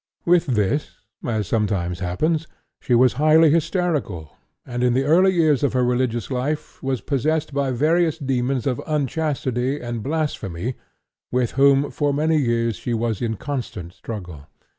With this, as sometimes happens, she was highly hysterical, and in the early years of her religious life was possessed by various demons of unchastity and blasphemy with whom for many years she was in constant struggle.